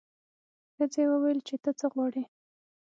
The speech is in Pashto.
ښځې وویل چې ته څه غواړې.